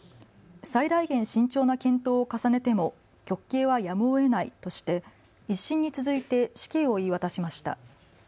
最大限、慎重な検討を重ねても極刑はやむをえないとして１審に続いて死刑を言い渡しました。